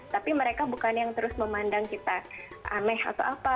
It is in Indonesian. tapi mereka bukan yang terus memandang kita aneh atau apa